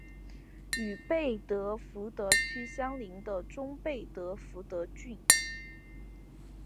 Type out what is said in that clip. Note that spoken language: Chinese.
与贝德福德区相邻的中贝德福德郡。